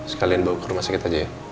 sekalian bawa ke rumah sakit aja ya